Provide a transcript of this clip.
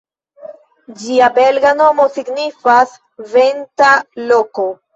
Ĝia belga nomo signifas: "venta loko".